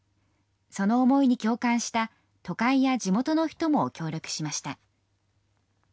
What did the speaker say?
その思いに共感した都会や地元の人も協力しました。